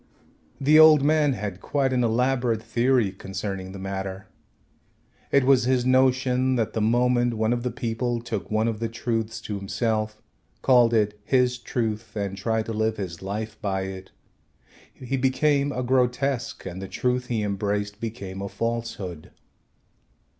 The old man had quite an elaborate theory concerning the matter. It was his notion that the moment one of the people took one of the truths to himself, called it his truth, and tried to live his life by it, he became a grotesque and the truth he embraced became a falsehood.